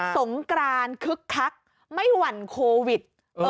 สงกรานคึกคักไม่หวั่นโควิด